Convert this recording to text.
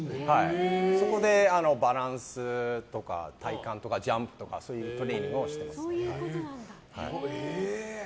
そこでバランスとか体幹とかジャンプとか、そういうトレーニングをしてますね。